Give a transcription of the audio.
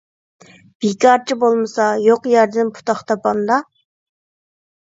بىكارچى بولمىسا يوق يەردىن پۇتاق تاپامدا؟